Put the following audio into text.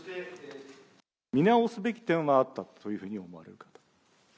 見直すべき点はあったと、そういうふうに思われる方。